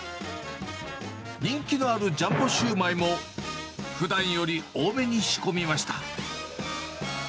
人気のあるジャンボ焼売も、ふだんより多めに仕込みました。